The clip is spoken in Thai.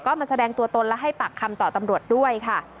ก็มาแสดงตัวตนและให้ปากคำต่อตำรวจด้วยค่ะ